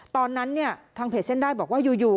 ตอนนั้นเนี่ยทางเพจเส้นได้บอกว่าอยู่